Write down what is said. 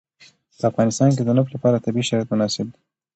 په افغانستان کې د نفت لپاره طبیعي شرایط مناسب دي.